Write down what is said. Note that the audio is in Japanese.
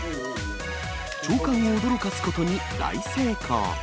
長官を驚かすことに大成功。